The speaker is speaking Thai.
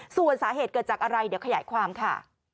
ส่วนสาเหตุเกิดจากอะไรเดี๋ยวขยายความค่ะ